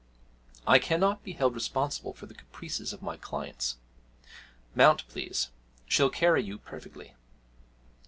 I cannot be held responsible for the caprices of my clients. Mount, please; she'll carry you perfectly.'